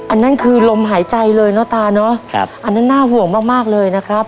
อันนั้นคือลมหายใจเลยเนอะตาเนอะครับอันนั้นน่าห่วงมากมากเลยนะครับ